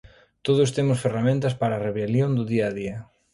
Todas temos ferramentas para a rebelión do día a día.